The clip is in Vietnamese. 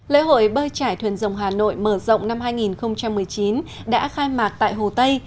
lễ hội bơi trải thuyền rồng hà nội mở rộng năm hai nghìn một mươi chín đã khai mạc tại hồ tây